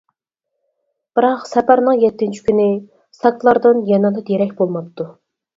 بىراق سەپەرنىڭ يەتتىنچى كۈنى ساكلاردىن يەنىلا دېرەك بولماپتۇ.